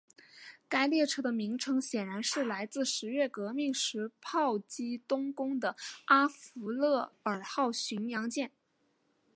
该列车的名称显然是来自十月革命时炮击冬宫的阿芙乐尔号巡洋舰。